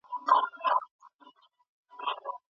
د الله د رضا په نيت وليمه کول څومره اجرونه لري؟